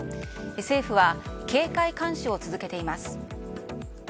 政府は警戒監視を続けています。